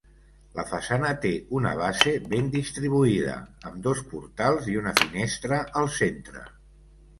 La façana té una base ben distribuïda, amb dos portals i una finestra al centre.